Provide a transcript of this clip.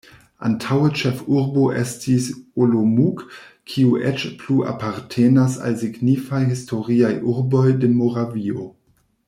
Antaŭe ĉefurbo estis Olomouc, kiu eĉ plu apartenas al signifaj historiaj urboj de Moravio.